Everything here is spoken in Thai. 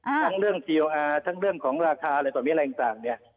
ทั้งเรื่องจีโออาร์ทั้งเรื่องของราคาอะไรตอนนี้อะไรต่างเนี่ย